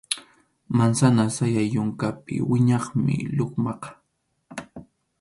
Mansana sayay yunkapi wiñaqmi lukmaqa.